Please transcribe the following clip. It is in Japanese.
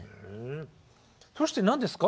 そして何ですか？